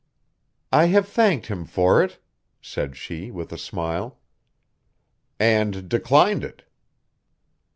"I have thanked him for it," said she with a smile. "And declined it."